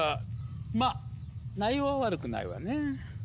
まっ内容は悪くないわね。